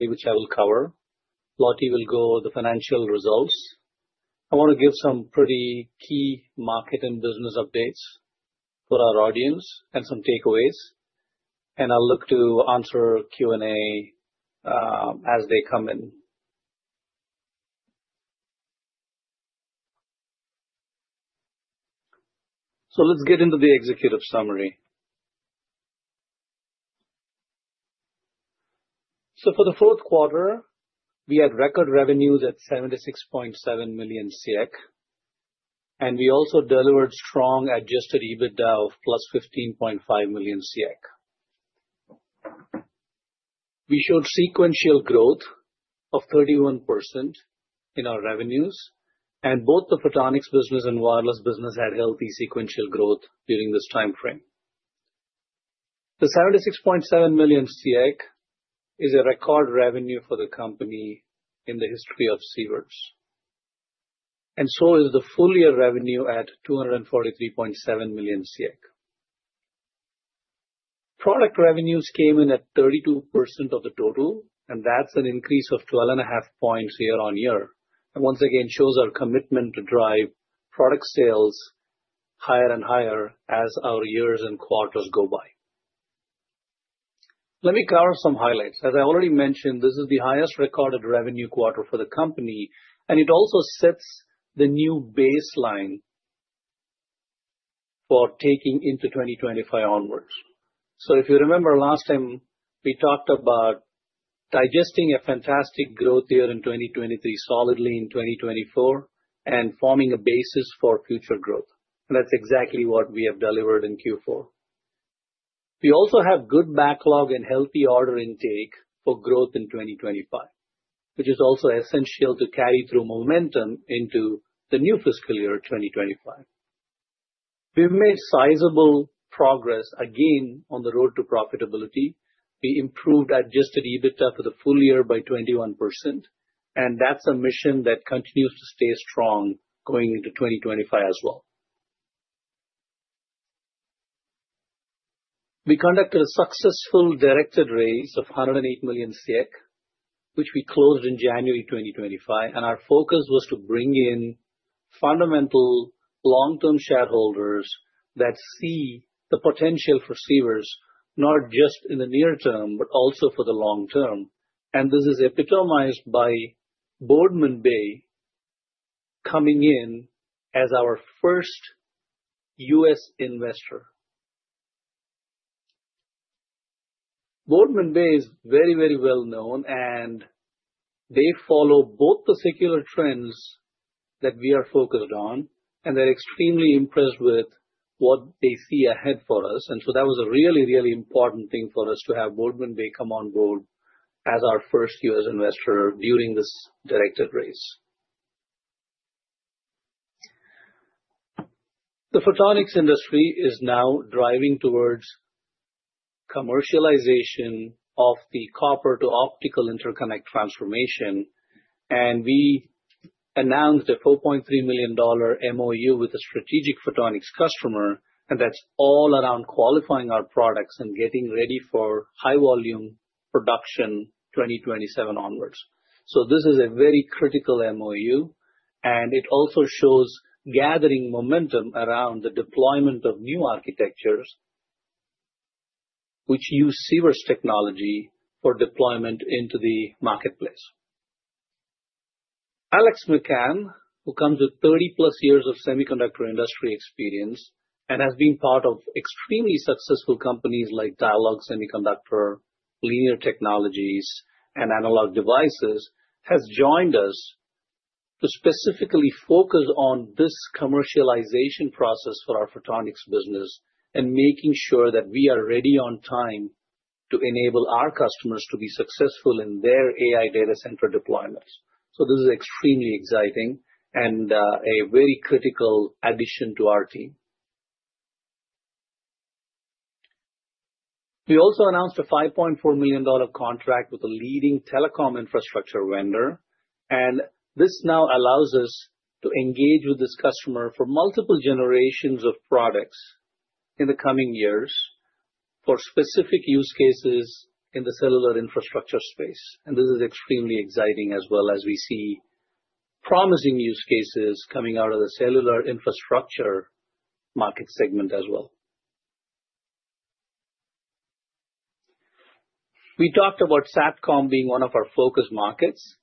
Which I will cover. Lottie will go over the financial results. I want to give some pretty key market and business updates for our audience and some takeaways. I'll look to answer Q&A as they come in. Let's get into the executive summary. For the fourth quarter, we had record revenues at 76.7 million, and we also delivered strong adjusted EBITDA of 15.5 million. We showed sequential growth of 1% in our revenues, and both the business and wireless business had healthy sequential growth during this time frame. The 76.7 million is a record revenue for the company in the history of Sivers. So is the full year revenue at 243.7 million. Product revenues came in at 32% of the total, and that's an increase of 12.5 percentage points year on year. Once again, it shows our commitment to drive product sales higher and higher as our years and quarters go by. Let me cover some highlights. As I already mentioned, this is the highest recorded revenue quarter for the company, and it also sets the new baseline for taking into 2025 onwards. If you remember last time, we talked about digesting a fantastic growth year in 2023, solidly in 2024, and forming a basis for future growth. That is exactly what we have delivered in Q4. We also have good backlog and healthy order intake for growth in 2025, which is also essential to carry through momentum into the new fiscal year of 2025. We have made sizable progress again on the road to profitability. We improved adjusted EBITDA for the Full year by 21%, and that is a mission that continues to stay strong going into 2025 as well. We conducted a successful directed raise of 108 million SEK, which we closed in January 2025, and our focus was to bring in fundamental long-term shareholders that see the potential for Sivers not just in the near term, but also for the long term. This is epitomized by Boardman Bay coming in as our first U.S investor. Boardman Bay is very, very well known, and they follow both the secular trends that we are focused on, and they are extremely impressed with what they see ahead for us. That was a really, really important thing for us to have Boardman Bay come on board as our first U.S investor during this directed raise. The photonics industry is now driving towards commercialization of the copper-to-optical interconnect transformation, and we announced a $4.3 million MOU with a strategic photonics customer, and that's all around qualifying our products and getting ready for high volume production 2027 onwards. This is a very critical MOU, and it also shows gathering momentum around the deployment of new architectures, which use Sivers technology for deployment into the marketplace. Alex McCann, who comes with 30+ years of semiconductor industry experience and has been part of extremely successful companies like Dialog Semiconductor, Linear Technology, and Analog Devices, has joined us to specifically focus on this commercialization process for our photonics business and making sure that we are ready on time to enable our customers to be successful in their AI data center deployments. This is extremely exciting and a very critical addition to our team. We also announced a $5.4 million contract with a leading telecom infrastructure vendor, and this now allows us to engage with this customer for multiple generations of products in the coming years for specific use cases in the cellular infrastructure space. This is extremely exciting as well, as we see promising use cases coming out of the cellular infrastructure market segment as well. We talked about being one of our focus markets,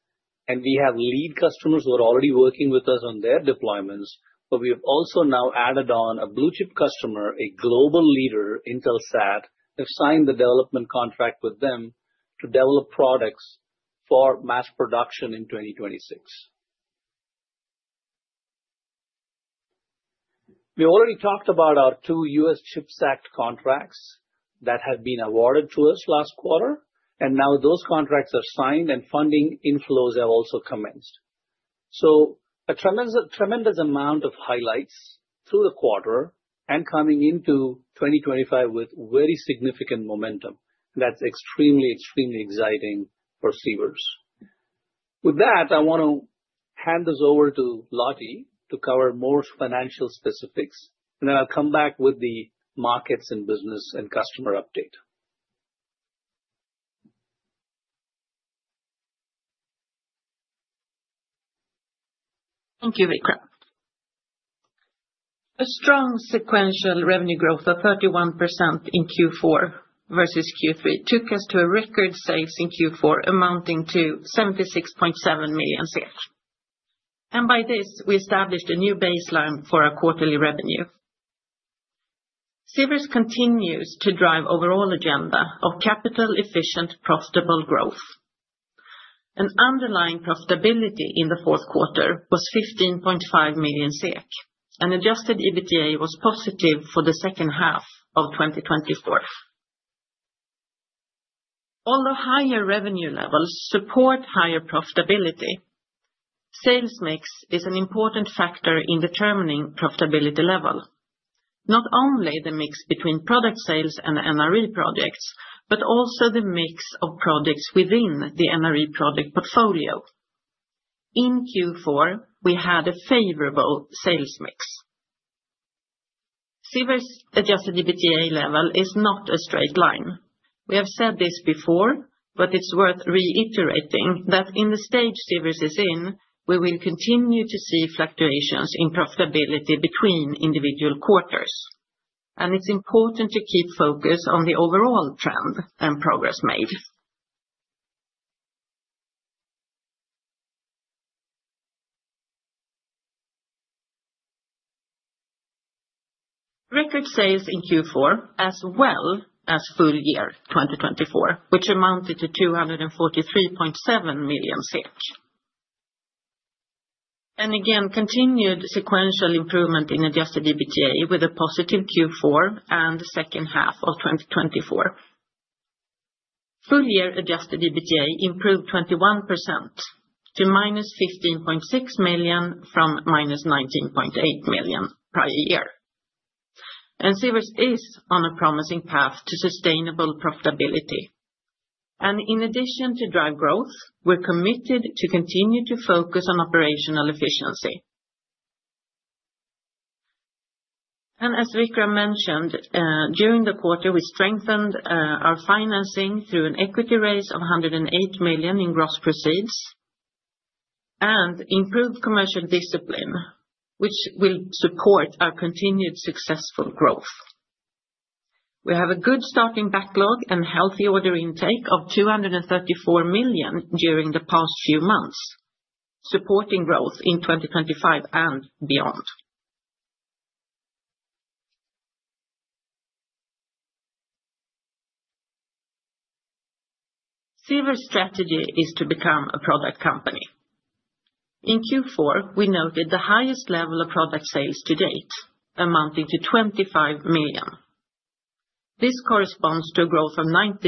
and we have lead customers who are already working with us on their deployments. We have also now added on a blue chip customer, a global leader, Intelsat. They have signed the development contract with them to develop products for mass production in 2026. We already talked about our two U.S CHIPS Act contracts that have been awarded to us last quarter, and now those contracts are signed and funding inflows have also commenced. A tremendous amount of highlights through the quarter and coming into 2025 with very significant momentum. That's extremely, extremely exciting for Sivers. With that, I want to hand this over to Lottie to cover more financial specifics, and then I'll come back with the markets and business and customer update. Thank you, Vikram. A strong sequential revenue growth of 31% in Q4 versus Q3 took us to record sales in Q4 amounting to 76.7 million. By this, we established a new baseline for our quarterly revenue. Sivers continues to drive overall agenda of capital-efficient, profitable growth. An underlying profitability in the fourth quarter was 15.5 million SEK, and adjusted EBITDA was positive for the second half of 2024. Although higher revenue levels support higher profitability, sales mix is an important factor in determining profitability level, not only the mix between product sales and projects, but also the mix of projects within the NRE project portfolio. In Q4, we had a favorable sales mix. Sivers adjusted EBITDA level is not a straight line. We have said this before, but it's worth reiterating that in the stage Sivers is in, we will continue to see fluctuations in profitability between individual quarters, and it's important to keep focus on the overall trend and progress made. Record sales in Q4, as well as full year 2024, which amounted to SEK 243.7 million. Again, continued sequential improvement in adjusted EBITDA with a positive Q4 and second half of 2024. Full year Adjusted EBITDA improved 21% to minus 15.6 million from minus 19.8 million prior year. Sivers is on a promising path to sustainable profitability. In addition to drive growth, we're committed to continue to focus on operational efficiency. As Vikram mentioned, during the quarter, we strengthened our financing through an equity raise of 108 million in gross proceeds and improved commercial discipline, which will support our continued successful growth. We have a good starting backlog and healthy order intake of 234 million during the past few months, supporting growth in 2025 and beyond. Sivers strategy is to become a product company. In Q4, we noted the highest level of product sales to date, amounting to 25 million. This corresponds to a growth of 93%,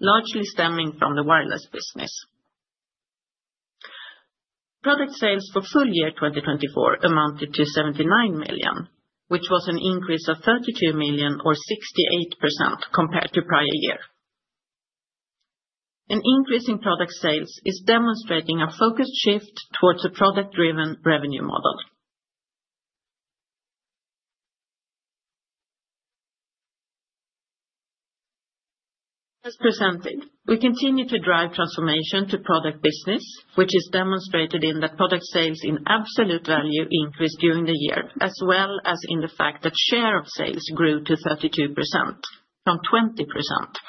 largely stemming from the wireless business. Product sales for Full year 2024 amounted to 79 million, which was an increase of 32 million, or 68% compared to prior year. An increase in product sales is demonstrating a focused shift towards a product-driven revenue model. As presented, we continue to drive transformation to product business, which is demonstrated in that product sales in absolute value increased during the year, as well as in the fact that share of sales grew to 32% from 20%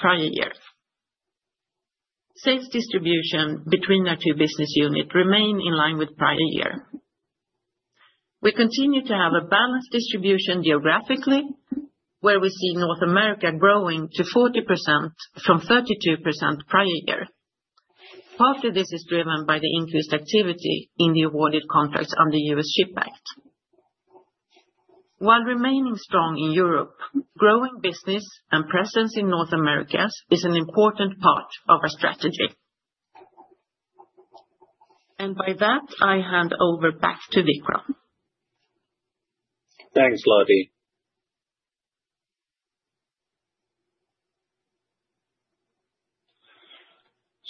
prior year. Sales distribution between our two business units remained in line with prior year. We continue to have a balanced distribution geographically, where we see North America growing to 40% from 32% prior year. Part of this is driven by the increased activity in the awarded contracts under U.S CHIPS Act. While remaining strong in, growing business and presence in North America is an important part of our strategy. By that, I hand over back to Vikram. Thanks,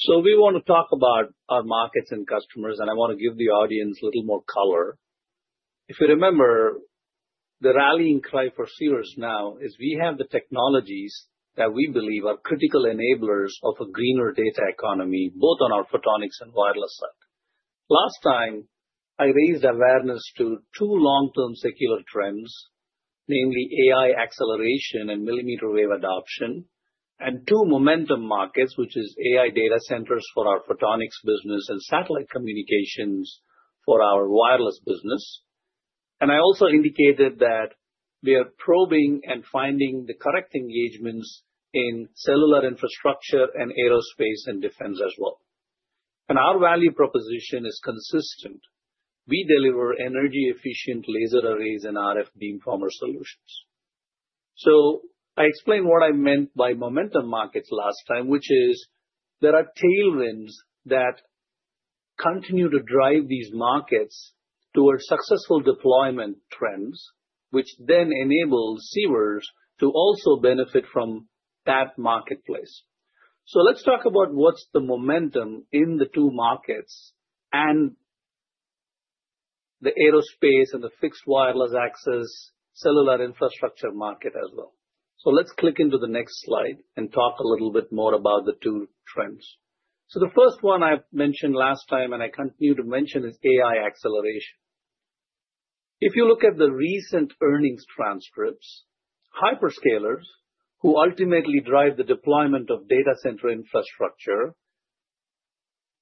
Lottie. We want to talk about our markets and customers, and I want to give the audience a little more color. If you remember, the rallying cry for Sivers now is we have the technologies that we believe are critical enablers of a greener data economy, both on our photonics and wireless side. Last time, I raised awareness to two long-term secular trends, namely AI acceleration and millimeter wave adoption, and two momentum markets, which are AI data centers for our photonics business and satellite communications for our wireless business. I also indicated that we are probing and finding the correct engagements in cellular infrastructure and aerospace and defense as well. Our value proposition is consistent. We deliver energy-efficient laser arrays and RF beamformer solutions. I explained what I meant by momentum markets last time, which is there are tailwinds that continue to drive these markets towards successful deployment trends, which then enable Sivers to also benefit from that marketplace. Let's talk about what's the momentum in the two markets and the aerospace and the fixed wireless access cellular infrastructure market as well. Let's click into the next slide and talk a little bit more about the two trends. The first one I mentioned last time, and I continue to mention, is AI acceleration. If you look at the recent earnings transcripts, hyperscalers who ultimately drive the deployment of data center infrastructure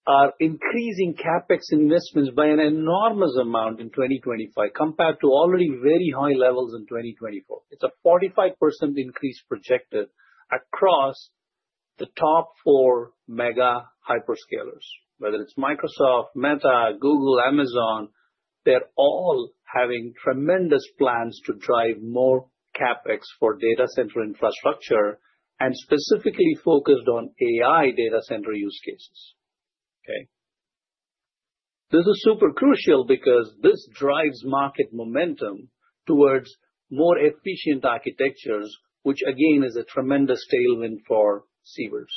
are increasing CapEx investments by an enormous amount in 2025 compared to already very high levels in 2024. It's a 45% increase projected across the top four mega hyperscalers, whether it's Microsoft,, Google, Amazon. They're all having tremendous plans to drive more CapEx for data center infrastructure and specifically focused on AI data center use cases. Okay? This is super crucial because this drives market momentum towards more efficient architectures, which again is a tremendous tailwind for Sivers.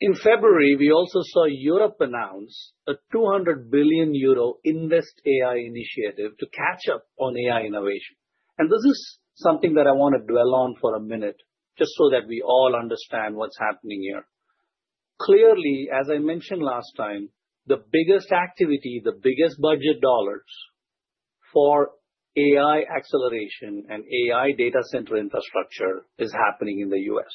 In February, we also saw Europe announce a 200 billion euro invest AI initiative to catch up on AI innovation. This is something that I want to dwell on for a minute just so that we all understand what's happening here. Clearly, as I mentioned last time, the biggest activity, the biggest budget dollars for AI acceleration and AI data center infrastructure is happening in the U.S.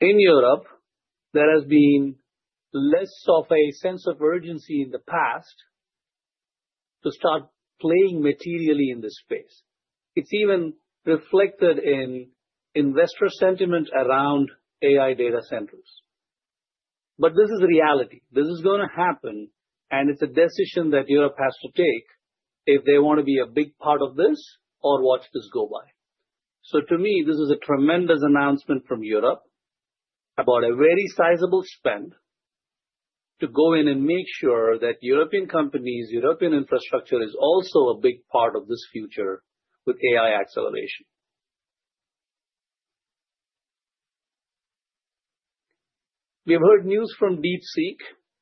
In Europe, there has been less of a sense of urgency in the past to start playing materially in this space. It's even reflected in investor sentiment around AI data centers. This is reality. This is going to happen, and it's a decision that Europe has to take if they want to be a big part of this or watch this go by. To me, this is a tremendous announcement from Europe about a very sizable spend to go in and make sure that European companies, European infrastructure is also a big part of this future with AI acceleration. We have heard news from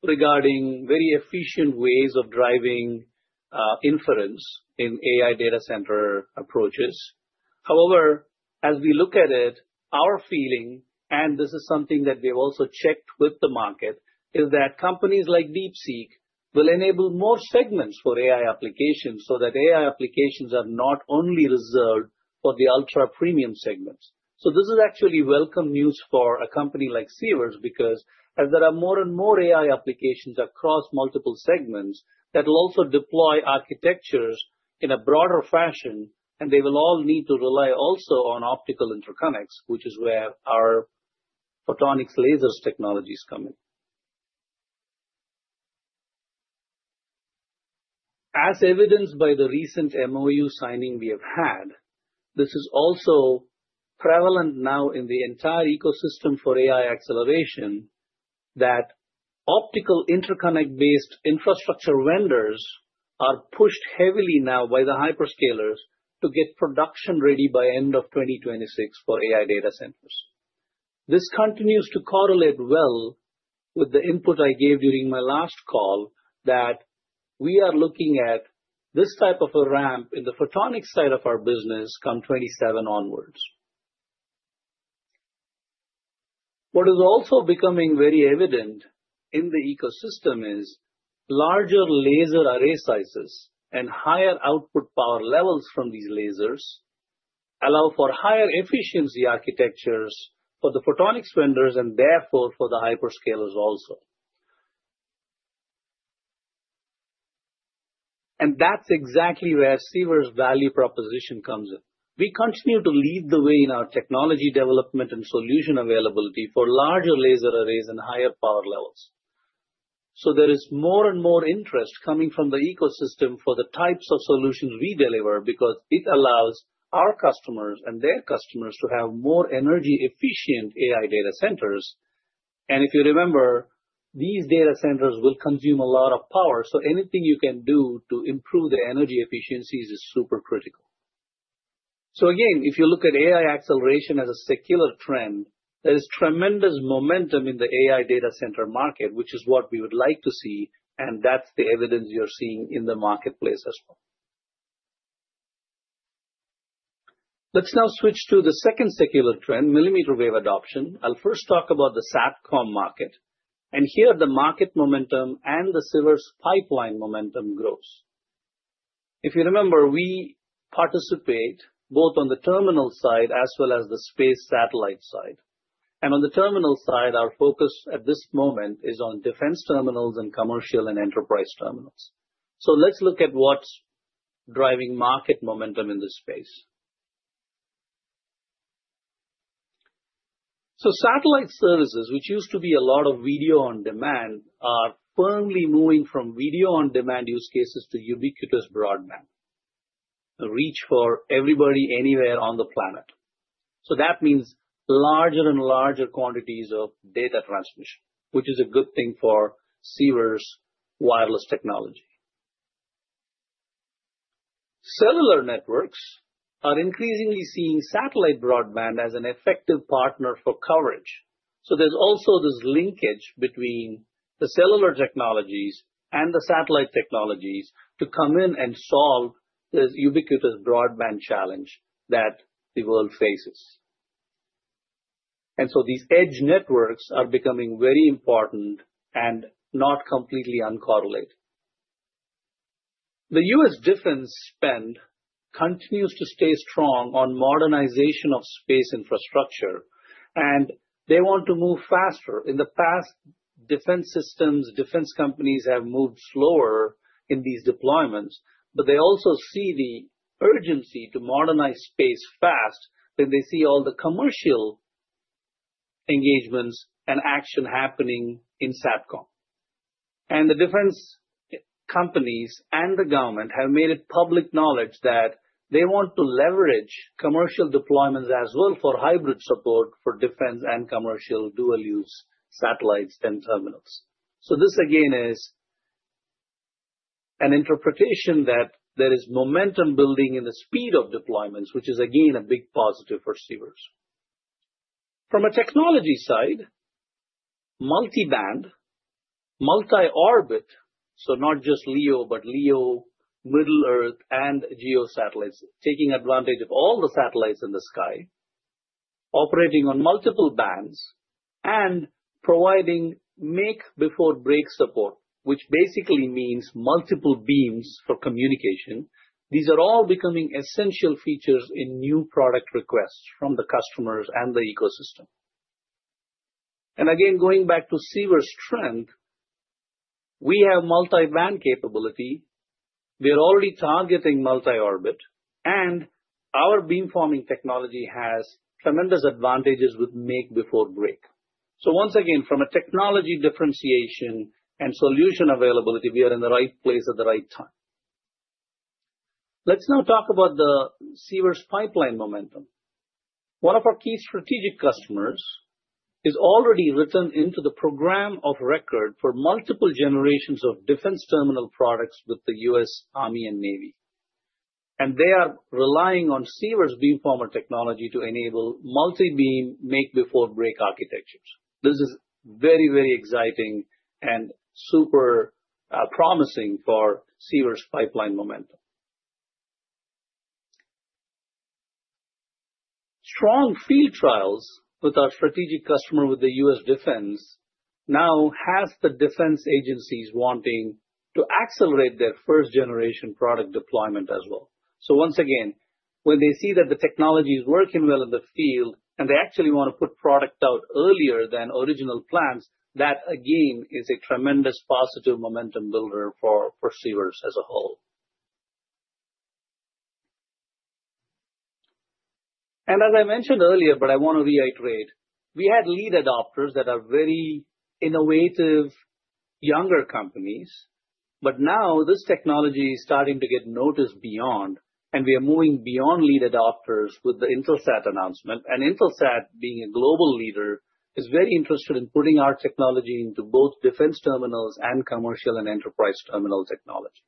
regarding very efficient ways of driving inference in AI data center approaches. However, as we look at it, our feeling, and this is something that we have also checked with the market, is that companies like DeepSeek will enable more segments for AI applications so that AI applications are not only reserved for the ultra-premium segments. This is actually welcome news for a company like Sivers because as there are more and more AI applications across multiple segments, that will also deploy architectures in a broader fashion, and they will all need to rely also on optical interconnects, which is where our photonics lasers technologies come in. As evidenced by the recent MOU signing we have had, this is also prevalent now in the entire ecosystem for AI acceleration that optical interconnect-based infrastructure vendors are pushed heavily now by the hyperscalers to get production ready by end of 2026 for AI data centers. This continues to correlate well with the input I gave during my last call that we are looking at this type of a ramp in the photonics side of our business come 2027 onwards. What is also becoming very evident in the ecosystem is larger laser array sizes and higher output power levels from these lasers allow for higher efficiency architectures for the Photonics vendors and therefore for the hyperscalers also. That is exactly where Sivers value proposition comes in. We continue to lead the way in our technology development and solution availability for larger laser arrays and higher power levels. There is more and more interest coming from the ecosystem for the types of solutions we deliver because it allows our customers and their customers to have more energy-efficient AI data centers. If you remember, these data centers will consume a lot of power. Anything you can do to improve the energy efficiencies is super critical. If you look at AI acceleration as a secular trend, there is tremendous momentum in the AI data center market, which is what we would like to see, and that's the evidence you're seeing in the marketplace as well. Let's now switch to the second secular trend, millimeter wave adoption. I'll first talk about the market, and here the market momentum and the Sivers pipeline momentum grows. If you remember, we participate both on the terminal side as well as the space satellite side. On the terminal side, our focus at this moment is on defense terminals and commercial and enterprise terminals. Let's look at what's driving market momentum in this space. Satellite services, which used to be a lot of video on demand, are firmly moving from video on demand use cases to ubiquitous broadband, a reach for everybody anywhere on the planet. That means larger and larger quantities of data transmission, which is a good thing for Sivers' wireless technology. Cellular networks are increasingly seeing satellite broadband as an effective partner for coverage. There is also this linkage between the cellular technologies and the satellite technologies to come in and solve this ubiquitous broadband challenge that the world faces. These edge networks are becoming very important and not completely uncorrelated. The U.S defense spend continues to stay strong on modernization of space infrastructure, and they want to move faster. In the past, defense systems, defense companies have moved slower in these deployments, but they also see the urgency to modernize space fast when they see all the commercial engagements and action happening in. The defense companies and the government have made it public knowledge that they want to leverage commercial deployments as well for hybrid support for defense and commercial dual-use satellites and terminals. This again is an interpretation that there is momentum building in the speed of deployments, which is again a big positive for Sivers. From a technology side, multi-band, multi-orbit, so not just, but LEO, Medium Earth, and Geosatellites, taking advantage of all the satellites in the sky, operating on multiple bands, and providing make-before-break support, which basically means multiple beams for communication. These are all becoming essential features in new product requests from the customers and the ecosystem. Again, going back to Sivers' strength, we have multi-band capability. We are already targeting multi-orbit, and our beamforming technology has tremendous advantages with make-before-break. Once again, from a technology differentiation and solution availability, we are in the right place at the right time. Let's now talk about the Sivers pipeline momentum. One of our key strategic customers is already written into the program of record for multiple generations of defense terminal products with the U.S. Army and Navy. They are relying on Sivers' beamformer technology to enable multi-beam make-before-break architectures. This is very, very exciting and super promising for Sivers' pipeline momentum. Strong field trials with our strategic customer with the U.S. defense now has the defense agencies wanting to accelerate their first-generation product deployment as well. Once they see that the technology is working well in the field and they actually want to put product out earlier than original plans, that again is a tremendous positive momentum builder for Sivers as a whole. As I mentioned earlier, but I want to reiterate, we had lead adopters that are very innovative younger companies, but now this technology is starting to get noticed beyond, and we are moving beyond lead adopters with the Intelsat announcement. Intelsat, being a global leader, is very interested in putting our technology into both defense terminals and commercial and enterprise terminal technology.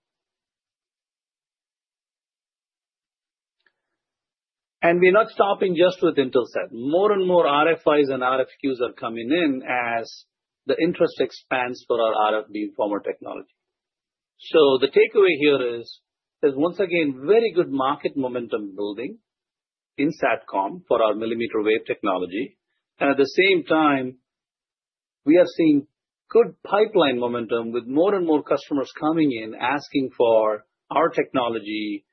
We are not stopping just with Intelsat. More and more s and RFQs are coming in as the interest expands for our RF beamformer technology. The takeaway here is there is once again very good market momentum building in SatCom for our millimeter wave technology. At the same time, we are seeing good pipeline momentum with more and more customers coming in asking for our technology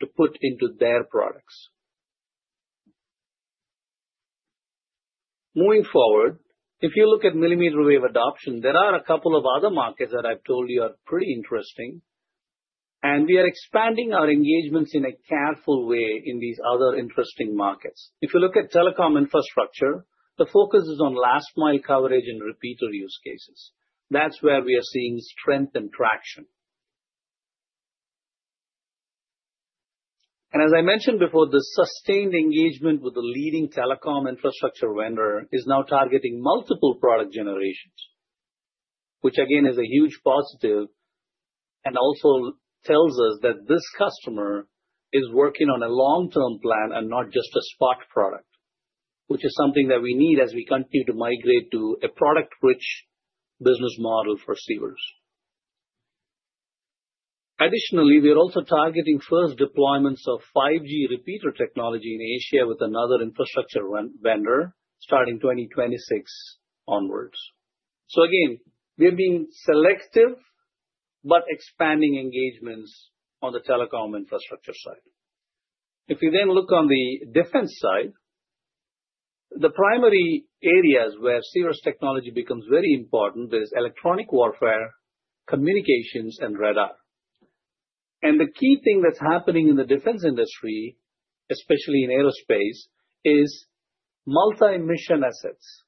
to put into their products. Moving forward, if you look at millimeter wave adoption, there are a couple of other markets that I've told you are pretty interesting, and we are expanding our engagements in a careful way in these other interesting markets. If you look at telecom infrastructure, the focus is on last-mile coverage and repeater use cases. That is where we are seeing strength and traction. As I mentioned before, the sustained engagement with the leading telecom infrastructure vendor is now targeting multiple product generations, which again is a huge positive and also tells us that this customer is working on a long-term plan and not just a spot product, which is something that we need as we continue to migrate to a product-rich business model for Sivers. Additionally, we are also targeting first deployments of 5G repeater technology in Asia with another infrastructure vendor starting 2026 onwards. Again, we are being selective but expanding engagements on the telecom infrastructure side. If we then look on the defense side, the primary areas where Sivers technology becomes very important are electronic warfare, communications, and radar. The key thing that is happening in the defense industry, especially in aerospace, is multi-mission assets.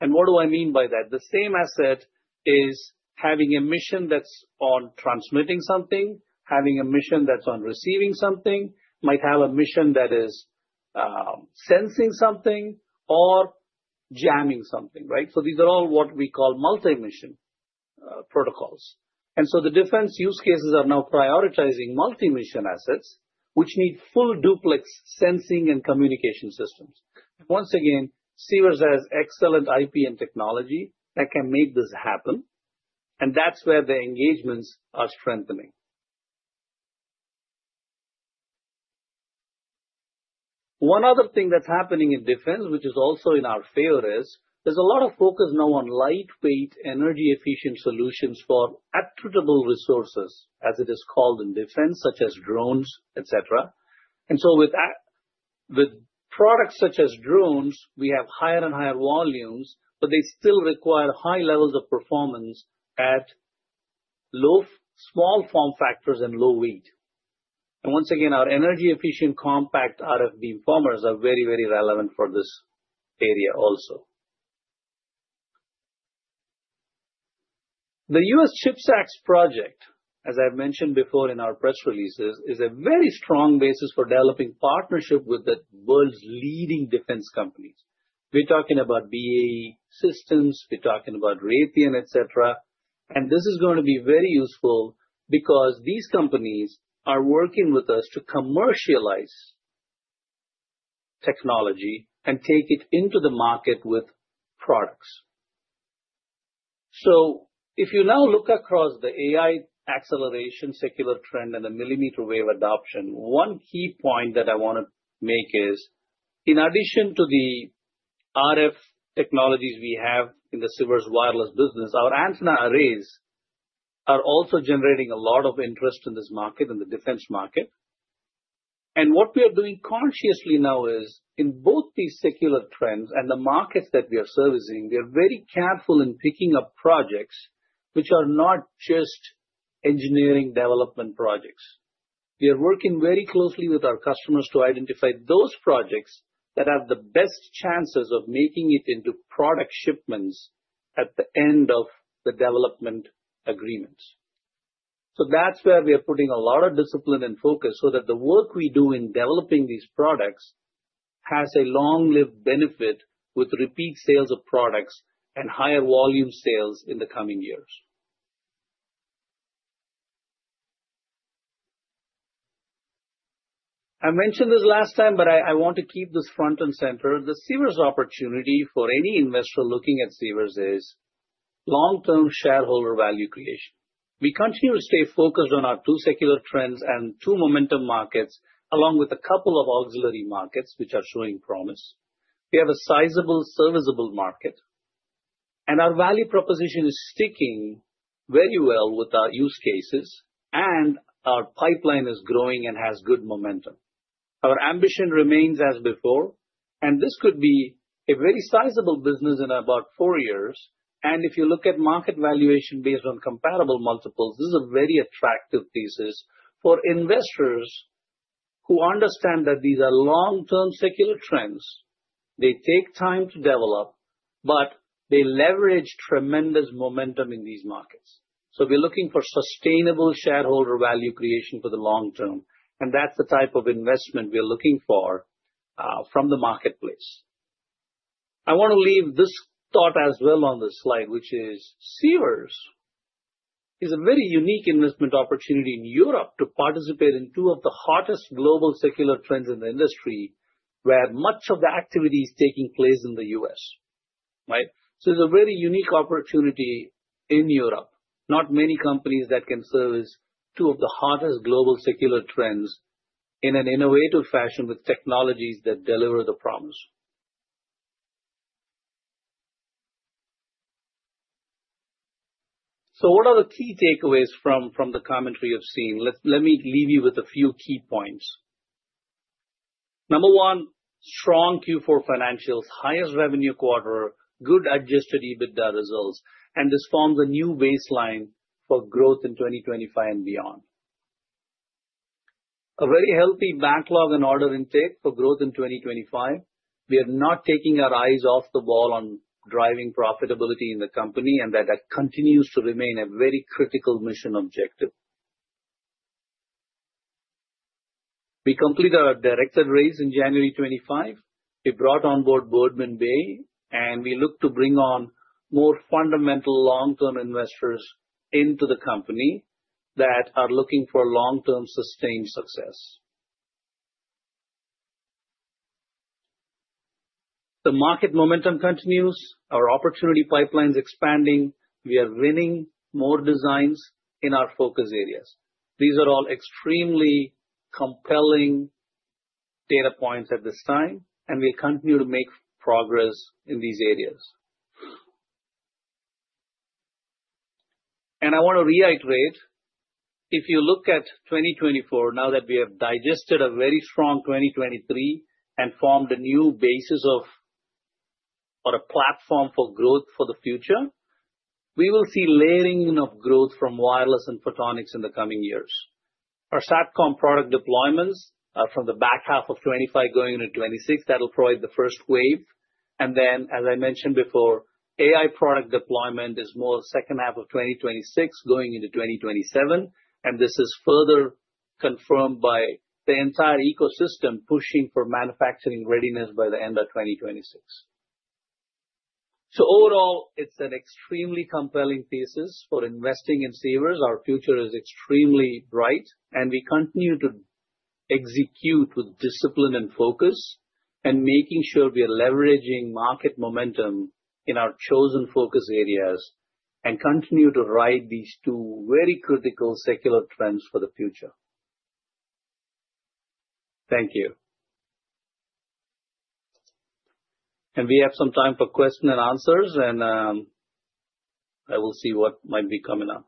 What do I mean by that? The same asset is having a mission that is on transmitting something, having a mission that is on receiving something, might have a mission that is sensing something or jamming something, right? These are all what we call multi-mission protocols. The defense use cases are now prioritizing multi-mission assets, which need full duplex sensing and communication systems. Once again, Sivers has excellent IP and technology that can make this happen, and that is where the engagements are strengthening. One other thing that's happening in defense, which is also in our favor, is there's a lot of focus now on lightweight energy-efficient solutions for attributable resources, as it is called in defense, such as drones, etc. With products such as drones, we have higher and higher volumes, but they still require high levels of performance at low small form factors and low weight. Once again, our energy-efficient compact RF beamformers are very, very relevant for this area also. U.S CHIPS act project, as I've mentioned before in our press releases, is a very strong basis for developing partnership with the world's leading defense companies. We're talking about BAE Systems, we're talking about Raytheon, etc. This is going to be very useful because these companies are working with us to commercialize technology and take it into the market with products. If you now look across the AI acceleration secular trend and the millimeter wave adoption, one key point that I want to make is, in addition to the RF technologies we have in the Sivers wireless business, our antenna arrays are also generating a lot of interest in this market, in the defense market. What we are doing consciously now is, in both these secular trends and the markets that we are servicing, we are very careful in picking up projects which are not just engineering development projects. We are working very closely with our customers to identify those projects that have the best chances of making it into product shipments at the end of the development agreements. That is where we are putting a lot of discipline and focus so that the work we do in developing these products has a long-lived benefit with repeat sales of products and higher volume sales in the coming years. I mentioned this last time, but I want to keep this front and center. The Sivers opportunity for any investor looking at Sivers is long-term shareholder value creation. We continue to stay focused on our two secular trends and two momentum markets, along with a couple of auxiliary markets which are showing promise. We have a sizable serviceable market, and our value proposition is sticking very well with our use cases, and our pipeline is growing and has good momentum. Our ambition remains as before, and this could be a very sizable business in about four years. If you look at market valuation based on comparable multiples, this is a very attractive thesis for investors who understand that these are long-term secular trends. They take time to develop, but they leverage tremendous momentum in these markets. We are looking for sustainable shareholder value creation for the long term, and that's the type of investment we are looking for from the marketplace. I want to leave this thought as well on the slide, which is Sivers is a very unique investment opportunity in Europe to participate in two of the hottest global secular trends in the industry where much of the activity is taking place in the U.S, right? It is a very unique opportunity in Europe. Not many companies can service two of the hottest global secular trends in an innovative fashion with technologies that deliver the promise. What are the key takeaways from the commentary you've seen? Let me leave you with a few key points. Number one, strong Q4 financials, highest revenue quarter, good adjusted EBITDA results, and this forms a new baseline for growth in 2025 and beyond. A very healthy backlog and order intake for growth in 2025. We are not taking our eyes off the ball on driving profitability in the company and that continues to remain a very critical mission objective. We completed our directed equity raise in January 2025. We brought on board Boardman Bay, and we look to bring on more fundamental long-term investors into the company that are looking for long-term sustained success. The market momentum continues, our opportunity pipeline is expanding. We are winning more designs in our focus areas. These are all extremely compelling data points at this time, and we will continue to make progress in these areas. I want to reiterate, if you look at 2024, now that we have digested a very strong 2023 and formed a new basis or a platform for growth for the future, we will see layering of growth from wireless and photonics in the coming years. Our SatCom product deployments are from the back half of 2025 going into 2026. That will provide the first wave. As I mentioned before, AI product deployment is more second half of 2026 going into 2027, and this is further confirmed by the entire ecosystem pushing for manufacturing readiness by the end of 2026. Overall, it is an extremely compelling thesis for investing in Sivers. Our future is extremely bright, and we continue to execute with discipline and focus, making sure we are leveraging market momentum in our chosen focus areas and continue to ride these two very critical secular trends for the future. Thank you. We have some time for questions and answers, and I will see what might be coming up.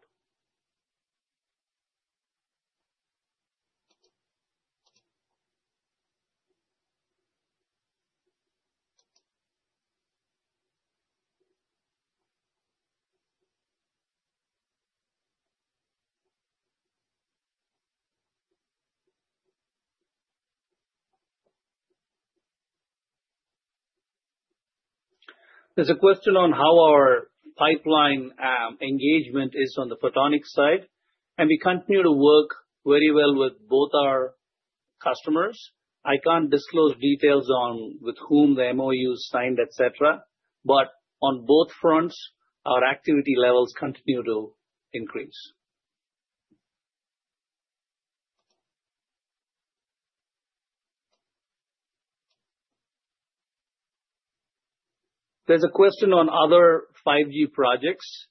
There is a question on how our pipeline engagement is on the photonics side, and we continue to work very well with both our customers. I cannot disclose details on with whom the MOU is signed, etc., but on both fronts, our activity levels continue to increase. There is a question on other 5G projects.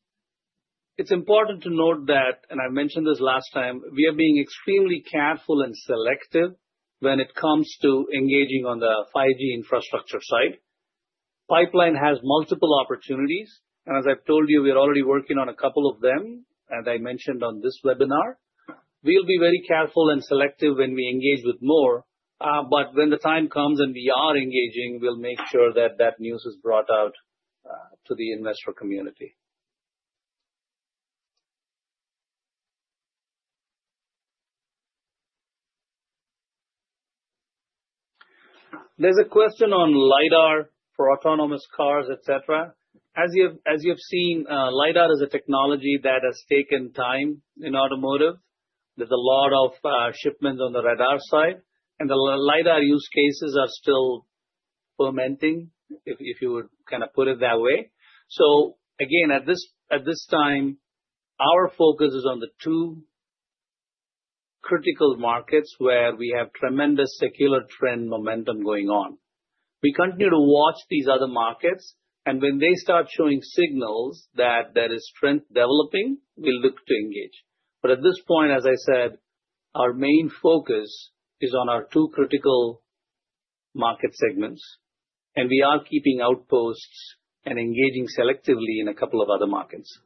It is important to note that, and I mentioned this last time, we are being extremely careful and selective when it comes to engaging on the 5G infrastructure side. Pipeline has multiple opportunities, and as I've told you, we are already working on a couple of them, as I mentioned on this webinar. We will be very careful and selective when we engage with more, but when the time comes and we are engaging, we will make sure that that news is brought out to the investor community. There is a question on LIDAR for autonomous cars, etc. As you have seen, LIDAR is a technology that has taken time in automotive. There is a lot of shipments on the radar side, and the LIDAR use cases are still fermenting, if you would kind of put it that way. At this time, our focus is on the two critical markets where we have tremendous secular trend momentum going on. We continue to watch these other markets, and when they start showing signals that there is trend developing, we will look to engage. At this point, as I said, our main focus is on our two critical market segments, and we are keeping outposts and engaging selectively in a couple of other markets.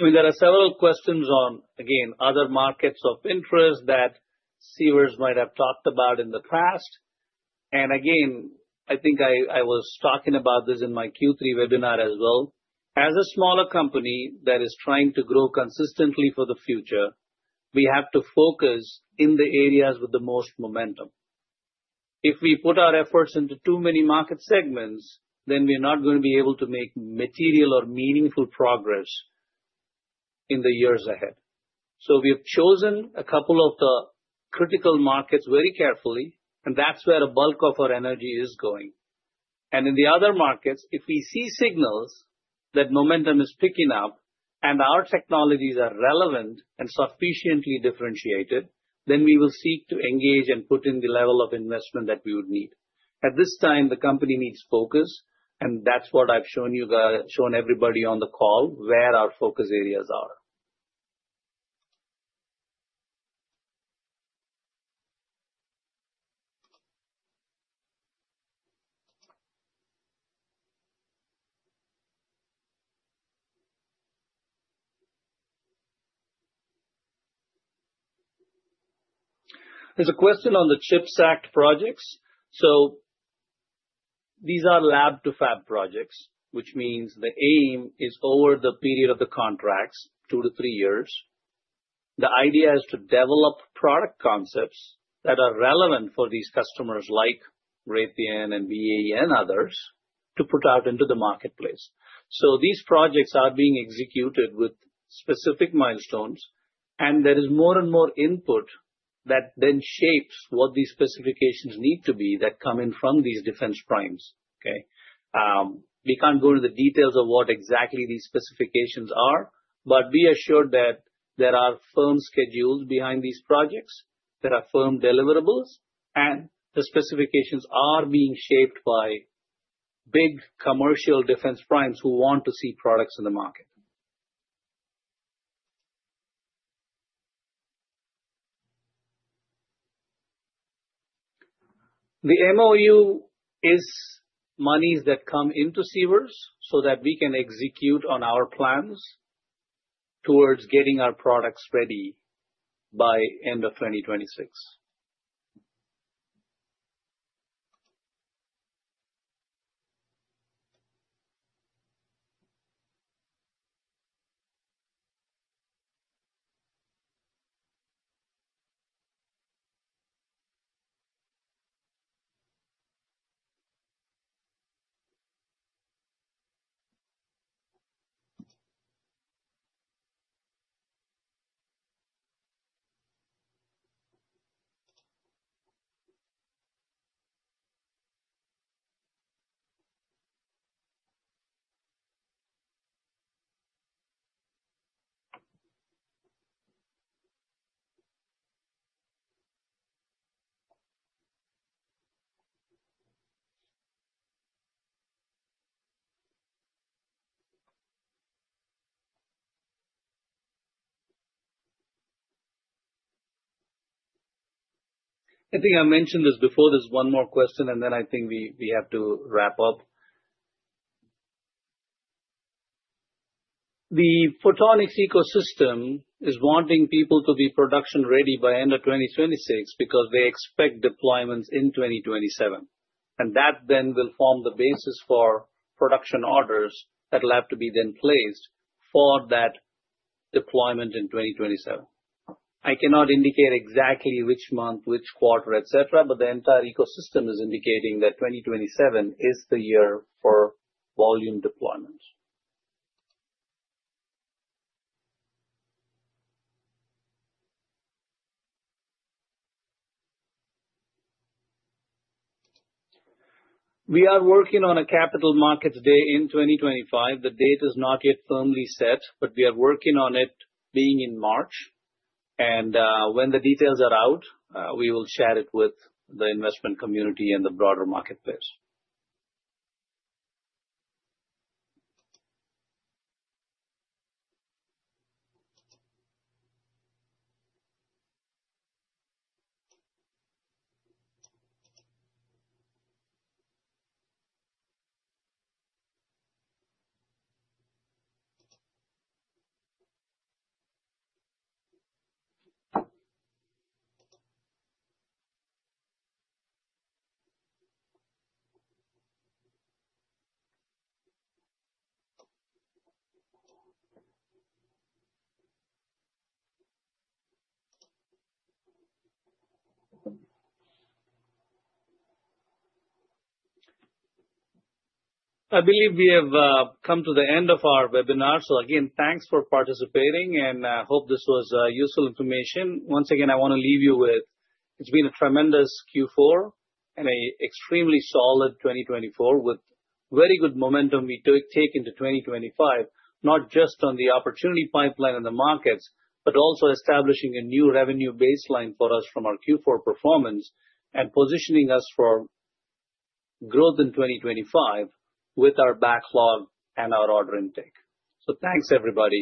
I mean, there are several questions on, again, other markets of interest that Sivers might have talked about in the past. Again, I think I was talking about this in my Q3 webinar as well. As a smaller company that is trying to grow consistently for the future, we have to focus in the areas with the most momentum. If we put our efforts into too many market segments, then we're not going to be able to make material or meaningful progress in the years ahead. We have chosen a couple of the critical markets very carefully, and that's where a bulk of our energy is going. In the other markets, if we see signals that momentum is picking up and our technologies are relevant and sufficiently differentiated, we will seek to engage and put in the level of investment that we would need. At this time, the company needs focus, and that is what I have shown you guys, shown everybody on the call, where our focus areas are. There is a question on the CHIPS Act projects. These are lab-to-fab projects, which means the aim is over the period of the contracts, two to three years. The idea is to develop product concepts that are relevant for these customers like Raytheon and BAE and others to put out into the marketplace. These projects are being executed with specific milestones, and there is more and more input that then shapes what these specifications need to be that come in from these defense primes, okay? We can't go into the details of what exactly these specifications are, but be assured that there are firm schedules behind these projects, there are firm deliverables, and the specifications are being shaped by big commercial defense primes who want to see products in the market. The MOU is monies that come into Sivers so that we can execute on our plans towards getting our products ready by end of 2026. I think I mentioned this before. There's one more question, and then I think we have to wrap up. The photonics ecosystem is wanting people to be production ready by end of 2026 because they expect deployments in 2027, and that then will form the basis for production orders that will have to be then placed for that deployment in 2027. I cannot indicate exactly which month, which quarter, etc., but the entire ecosystem is indicating that 2027 is the year for volume deployments. We are working on a capital markets day in 2025. The date is not yet firmly set, but we are working on it being in March, and when the details are out, we will share it with the investment community and the broader marketplace. I believe we have come to the end of our webinar. Again, thanks for participating, and I hope this was useful information. Once again, I want to leave you with it's been a tremendous Q4 and an extremely solid 2024 with very good momentum we take into 2025, not just on the opportunity pipeline and the markets, but also establishing a new revenue baseline for us from our Q4 performance and positioning us for growth in 2025 with our backlog and our order intake. Thanks, everybody.